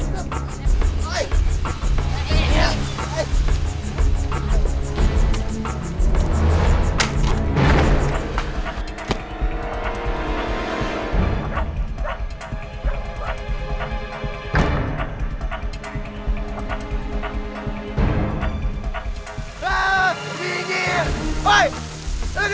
saya mau kesempatan